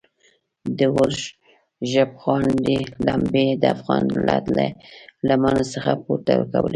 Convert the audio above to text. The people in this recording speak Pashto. د اور ژبغړاندې لمبې د افغان ملت له لمنو څخه پورته کولې.